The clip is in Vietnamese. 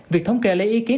việc thống kê lấy ý kiến